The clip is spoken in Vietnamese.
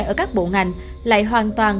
ở các bộ ngành lại hoàn toàn